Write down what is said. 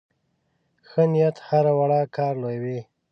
ښه نیت هره وړه کار لویوي.